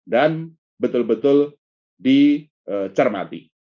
dan betul betul dicermati